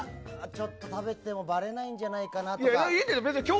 ちょっと食べてもばれないんじゃないかとか。